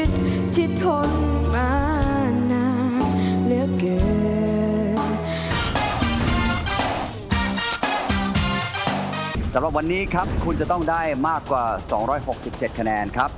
สำหรับวันนี้ครับคุณจะต้องได้มากกว่า๒๖๗คะแนนครับ